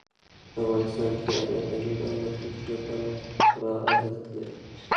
افغانستان کې انار د نن او راتلونکي لپاره خورا ارزښت لري.